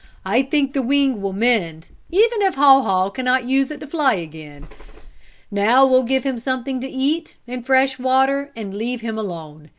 "I think the wing will mend, even if Haw Haw can not use it to fly again. Now we'll give him something to eat, and fresh water, and leave him alone.